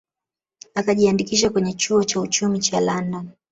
Akajiandikisha kwenye chuo cha uchumi cha London